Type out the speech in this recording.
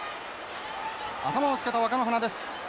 頭をつけた若乃花です。